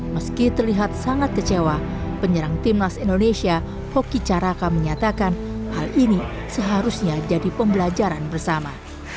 meski terlihat sangat kecewa penyerang timnas indonesia hoki caraka menyatakan hal ini seharusnya jadi pembelajaran bersama